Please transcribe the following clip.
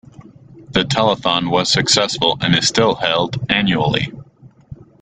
The telethon was successful and is still held annually.